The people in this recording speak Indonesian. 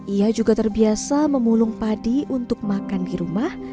ia juga terbiasa memulung padi untuk makan di rumah